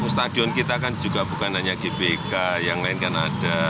stadion kita kan juga bukan hanya gbk yang lain kan ada